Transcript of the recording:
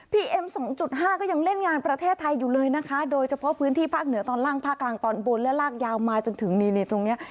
เอ็ม๒๕ก็ยังเล่นงานประเทศไทยอยู่เลยนะคะโดยเฉพาะพื้นที่ภาคเหนือตอนล่างภาคกลางตอนบนและลากยาวมาจนถึงตรงนี้